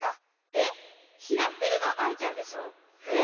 えっ？きらってるのはアイちゃんでしょ？